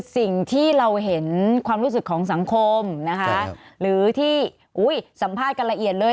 สิ่งที่เราเห็นความรู้สึกของสังคมนะคะหรือที่สัมภาษณ์กันละเอียดเลย